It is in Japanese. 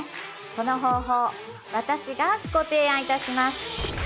その方法私がご提案いたします